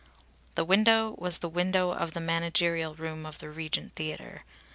The window was the window of the managerial room of the Regent Theatre.